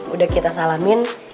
udah kita salamin